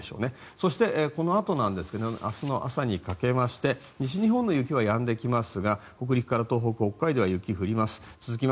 そして、このあとですが明日の朝にかけまして西日本の雪はやんできますが北陸から東北、北海道は雪降ります。